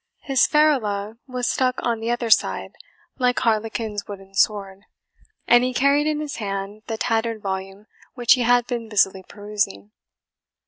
His ferula was stuck on the other side, like Harlequin's wooden sword; and he carried in his hand the tattered volume which he had been busily perusing.